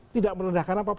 tidak menundakkan apa apa